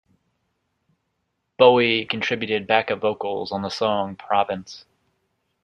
Bowie contributed back-up vocals on the song "Province".